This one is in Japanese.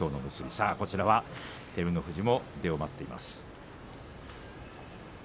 そして照ノ富士も出を待っています。